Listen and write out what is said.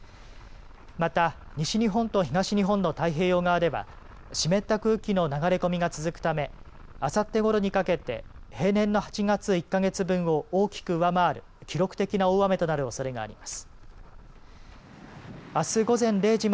また、西日本と東日本の太平洋側では湿った空気の流れ込みが続くためあさってごろにかけて平年の８月１か月分を大きく上回る記録的な大雨となるおそれがあります。